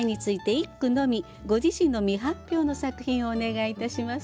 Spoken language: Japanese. ご自身の未発表の作品をお願いいたします。